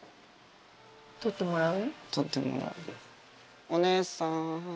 撮ってもらう。